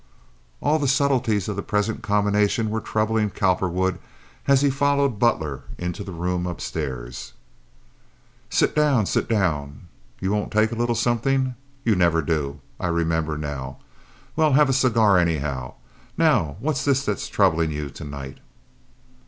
All the subtleties of the present combination were troubling Cowperwood as he followed Butler into the room upstairs. "Sit down, sit down. You won't take a little somethin'? You never do. I remember now. Well, have a cigar, anyhow. Now, what's this that's troublin' you to night?"